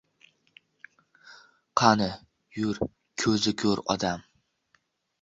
Qani, yur, ko‘zi ko‘r odam